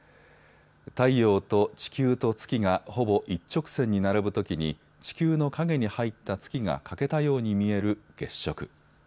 太陽と地球と月がほぼ一直線に並ぶときに地球の影に入った月が欠けたように見える月食。